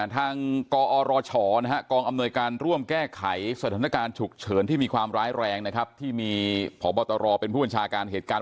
ทางกอรชกองอำนวยการร่วมแก้ไขสถานการณ์ฉุกเฉินที่มีความร้ายแรงนะครับที่มีพบตรเป็นผู้บัญชาการเหตุการณ์